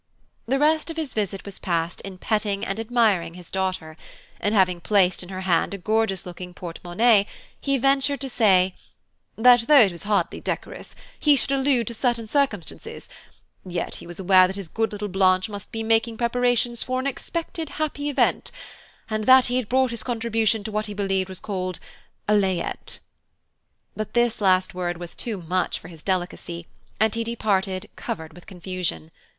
The rest of his visit was passed in petting and admiring his daughter, and, having placed in her hand a gorgeous looking porte monnaie, he ventured to say, "that though it was hardly decorous he should allude to certain circumstances, yet he was aware that his good little Blanche must be making preparations for an expected happy event, and that he had brought his contribution to what he believed was called a layette." But this last word was too much for his delicacy, and he departed covered with confusion.